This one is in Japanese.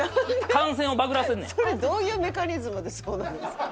それどういうメカニズムでそうなるんですか？